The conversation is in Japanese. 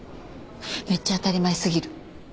めっちゃ当たり前すぎる。